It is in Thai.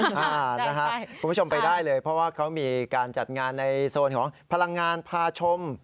คุณผู้ชมไปได้เลยเพราะว่าเขามีการจัดงานในโซนของพลังงานพาชม